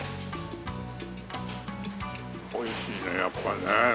美味しいねやっぱりね。